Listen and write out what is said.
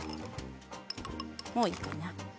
もういいかな。